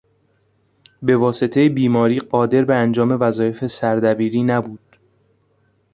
به واسطهی بیماری قادر به انجام وظایف سردبیری نبود.